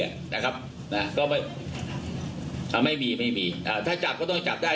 นะครับนะก็ไม่ถ้าไม่มีไม่มีอ่าถ้าจับก็ต้องจับได้